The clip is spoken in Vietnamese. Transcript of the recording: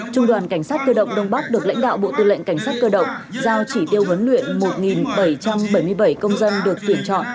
trung đoàn cảnh sát cơ động đông bắc được lãnh đạo bộ tư lệnh cảnh sát cơ động giao chỉ tiêu huấn luyện một bảy trăm bảy mươi bảy công dân được tuyển chọn